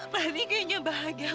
rani kayaknya bahagia